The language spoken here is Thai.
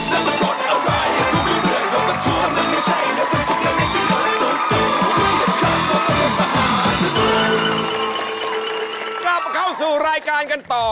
กลับเข้าสู่รายการกันต่อ